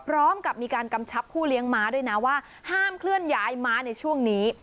พร้อมกับมีการกำชับผู้เลี้ยงม้าด้วยนะว่าห้ามเคลื่อนย้ายม้าในช่วงนี้